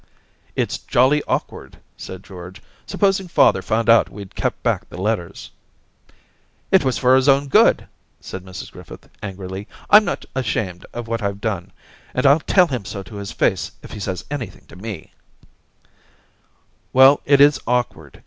* It's jolly awkward/ said George. * Sup posing father found out we'd kept back the letters ?'* It was for his own good/ said Mrs Griffith, angrily. * I'm not ashamed of what I've done, and I'll tell him so to his face if he says anything to me/ 'Well, it is awkward.